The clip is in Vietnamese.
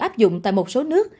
áp dụng tại một số nước